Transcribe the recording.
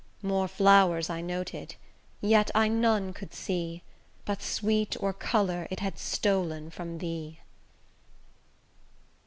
More flowers I noted, yet I none could see, But sweet, or colour it had stol'n from thee.